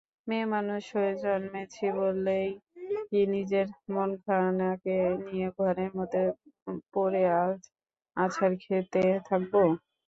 মেয়েমানুষ হয়ে জন্মেছি বলেই কি নিজের মনখানাকে নিয়ে ঘরের মধ্যে পড়ে আছাড় খেতে থাকব?